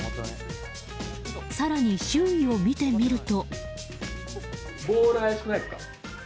更に、周囲を見てみると。